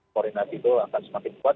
koordinasi itu akan semakin kuat